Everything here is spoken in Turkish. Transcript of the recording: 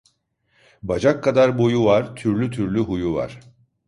Bacak kadar boyu var, türlü türlü huyu var